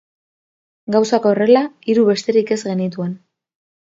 Gauzak horrela, hiru besterik ez genituen.